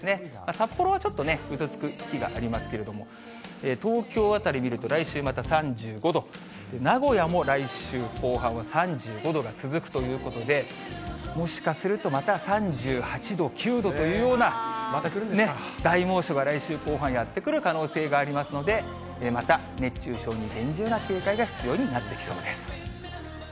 札幌はちょっとね、ぐずつく日がありますけれども、東京あたり見ると来週また３５度、名古屋も来週後半は３５度が続くということで、もしかするとまた３８度、９度というような大猛暑が来週後半やって来る可能性がありますので、また、熱中症に厳重な警戒が必要になってきそうです。